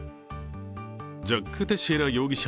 ジャック・テシエラ容疑者